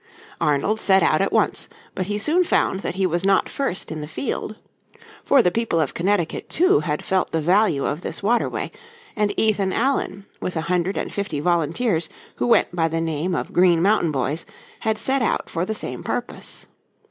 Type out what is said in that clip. Arnold set out at once, but he soon found that he was not first in the field. For the people of Connecticut, too, had felt the value of this waterway and Ethan Allen with a hundred and fifty volunteers who went by the name of Green Mountain Boys had set out for the same purpose.